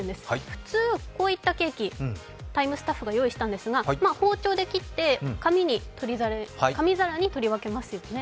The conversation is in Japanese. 普通、こういったケーキ、「ＴＩＭＥ，」スタッフが用意したんですが包丁で切って紙皿に取り分けますよね。